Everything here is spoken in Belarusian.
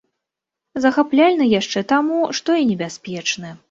Захапляльны яшчэ таму, што і небяспечны.